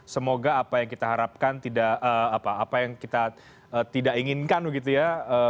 semoga apa yang kita harapkan tidak apa apa yang kita tidak inginkan begitu ya